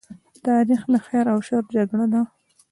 تاریخ د خیر او شر جګړه ده.